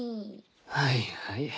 はいはい。